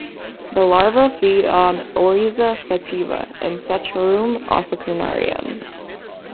The larvae feed on "Oryza sativa" and "Saccharum officinarum".